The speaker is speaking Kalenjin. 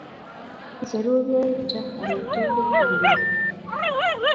Icheruge kochop amitwogik eng' gila.